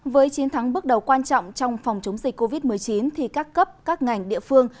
với chiến thắng bước đầu quan trọng trong phòng chống dịch covid một mươi chín thì các cấp các ngành địa phương